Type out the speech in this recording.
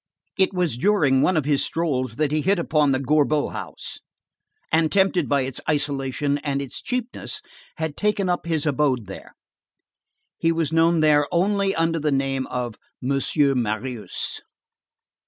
It was during one of his strolls that he had hit upon the Gorbeau house, and, tempted by its isolation and its cheapness, had taken up his abode there. He was known there only under the name of M. Marius.